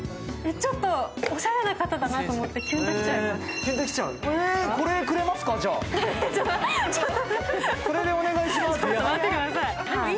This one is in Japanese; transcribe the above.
ちょっとおしゃれな方だなと思ってキュンと来ちゃいます。